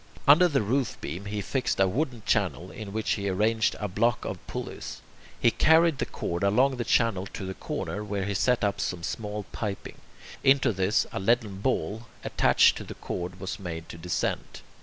Under the roof beam he fixed a wooden channel in which he arranged a block of pulleys. He carried the cord along the channel to the corner, where he set up some small piping. Into this a leaden ball, attached to the cord, was made to descend.